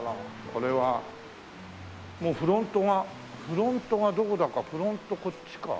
これはもうフロントがフロントがどこだかフロントこっちか？